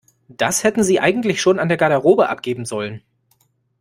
Das hätten Sie eigentlich schon an der Garderobe abgeben sollen.